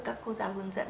các cô giáo hướng dẫn